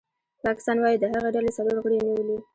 پاکستان وايي د هغې ډلې څلور غړي یې نیولي